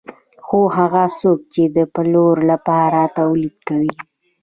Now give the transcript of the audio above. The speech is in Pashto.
خو هغه څوک چې د پلور لپاره تولید کوي